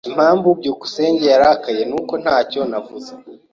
Impamvu byukusenge yarakaye nuko ntacyo navuze.